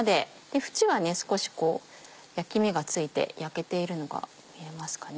縁は少し焼き目がついて焼けているのが見えますかね。